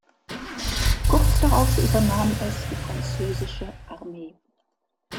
Kurz darauf übernahm es die französische Armee.